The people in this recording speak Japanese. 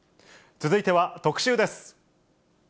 続いては、特集です。